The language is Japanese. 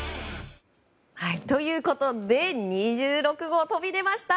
ということで２６号飛び出ました！